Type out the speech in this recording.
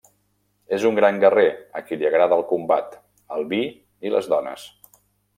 És un gran guerrer a qui li agrada el combat, el vi i les dones.